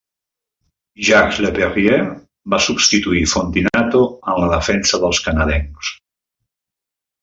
Jacques Laperriere va substituir Fontinato en la defensa dels canadencs.